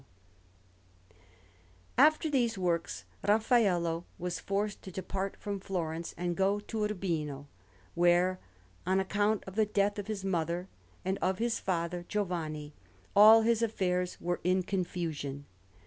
Florence: Pitti, 59_) Anderson] After these works, Raffaello was forced to depart from Florence and go to Urbino, where, on account of the death of his mother and of his father Giovanni, all his affairs were in confusion.